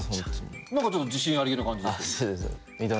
何かちょっと自信ありげな感じ。